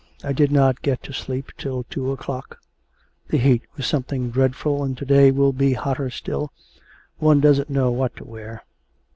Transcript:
I did not get to sleep till after two o'clock; the heat was something dreadful, and to day will be hotter still. One doesn't know what to wear.'